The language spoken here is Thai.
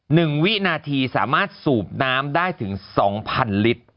วินาทีสามารถสูบน้ำได้ถึงสองพันลิตร